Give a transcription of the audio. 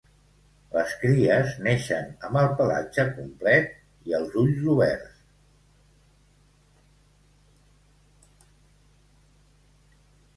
Les cries neixen amb el pelatge complet i els ulls oberts.